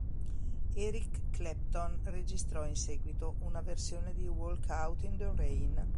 Eric Clapton registrò in seguito una versione di "Walk Out In the Rain".